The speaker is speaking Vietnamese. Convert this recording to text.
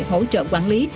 hỗ trợ quản lý